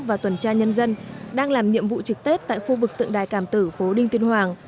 và tuần tra nhân dân đang làm nhiệm vụ trực tết tại khu vực tượng đài càm tử phố đinh tuyên hoàng